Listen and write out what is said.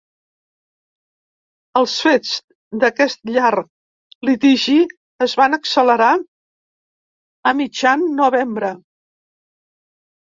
Els fets d’aquest llarg litigi es van accelerar a mitjan novembre.